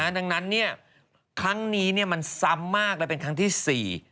ดังนั้นครั้งนี้มันซ้ำมากและเป็นครั้งที่๔